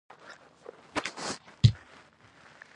د علامه رشاد لیکنی هنر مهم دی ځکه چې تور استبداد نقد کوي.